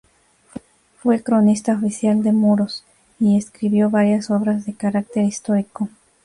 Fue cronista oficial de Muros y escribió varias obras de carácter histórico.